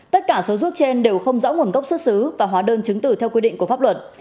tất cả số thuốc trên đều không rõ nguồn gốc xuất xứ và hóa đơn chứng từ theo quy định của pháp luật